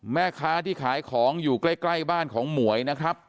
แม่ค้าที่ขายของอยู่ใกล้บ้านของหมวยนะครับ